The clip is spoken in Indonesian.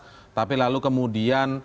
iya tapi lalu kemudian